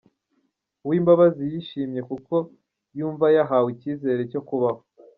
Uwimbabazi yishimye kuko yumva yahawe icyizere cyo kubaho.